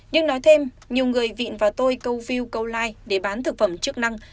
nhưng nói thêm nhiều người vịn vào tôi câu view câu like để bán thực phẩm chức năng